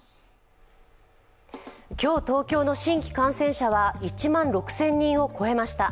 今日、東京都の新規感染者は１万６０００人を超えました。